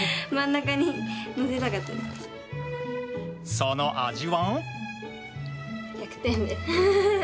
その味は。